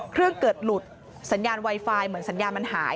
เครื่องเกิดหลุดสัญญาณไวไฟเหมือนสัญญาณมันหาย